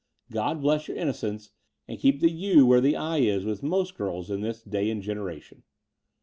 God bless your innocence and keep the *u' where the 'i' is with most girls in this day and generation."